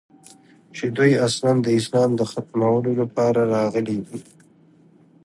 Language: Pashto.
چې دوى اصلاً د اسلام د ختمولو لپاره راغلي دي.